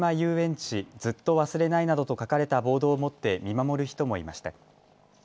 ちずっとわすれないなどと書かれたボードを持って見守る人もいました。